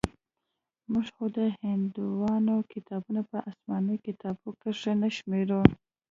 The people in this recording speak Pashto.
موږ خو د هندوانو کتاب په اسماني کتابونو کښې نه شمېرو.